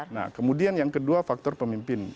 nah kemudian yang kedua faktor pemimpin